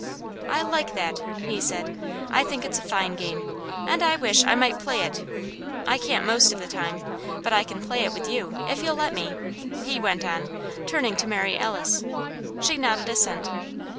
"I like that," he said. "I think it's a fine game, and I wish I might play it. I can't, most of the time. But I can play it with you, if you'll let me," he went on, turning to Mary Alice. She nodded assent.